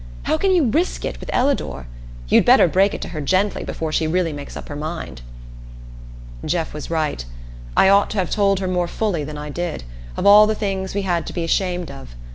How can you risk it with Ellador? You'd better break it to her gently before she really makes up her mind." Jeff was right. I ought to have told her more fully than I did, of all the things we had to be ashamed of.